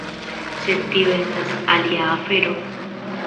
Sed tio estas alia afero.